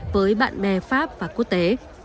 với bạn bè pháp và quốc tế